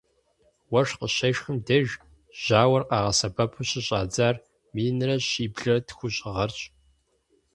Уэшх къыщешхым деж жьауэр къагъэсэбэпу щыщӏадзар минрэ щиблрэ тхущӏ гъэрщ.